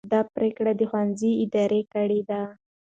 دا پرېکړه د ښوونځي ادارې کړې ده.